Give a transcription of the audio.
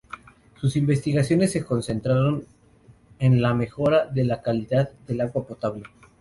Sus investigaciones se concentraron en la mejora de la calidad del agua potable.